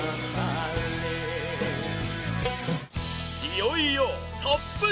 いよいよトップ３！